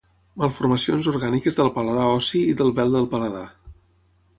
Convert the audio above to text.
Malformacions orgàniques del paladar ossi i del vel del paladar.